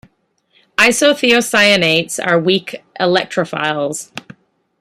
Isothiocyanates are weak electrophiles.